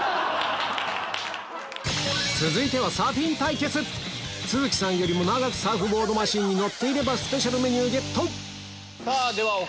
続いては都筑さんよりも長くサーフボードマシンに乗っていればスペシャルメニューゲット！